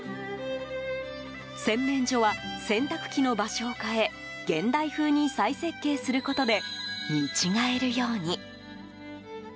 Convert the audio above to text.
洗面所は、洗濯機の場所を変え現代風に再設計することで見違えるように。